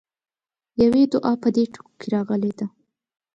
يوې دعا په دې ټکو کې راغلې ده.